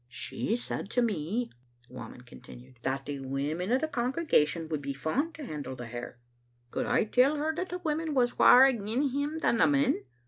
"She said to me," Whamond continued, "that the women o' the congregation would be fond to handle the hair. Could I tell her that the women was waur agin him than the men?